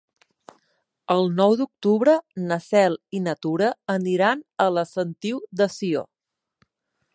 El nou d'octubre na Cel i na Tura aniran a la Sentiu de Sió.